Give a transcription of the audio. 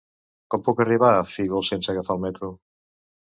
Com puc arribar a Fígols sense agafar el metro?